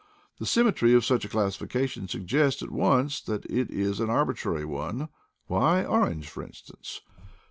The symmetry of such a classification suggests at once that it is an arbi trary one. Why orange, for instance?